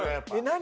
何？